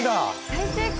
大成功！